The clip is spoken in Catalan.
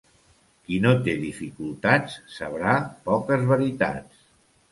Qui no té dificultats sabrà poques veritats.